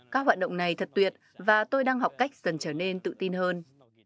các hoạt động này thật tuyệt và tôi đang học cách dần trở nên tự tin hơn